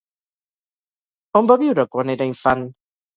On va viure quan era infant?